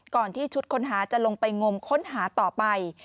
ที่ชุดค้นหาจะลงไปงมค้นหาต่อไป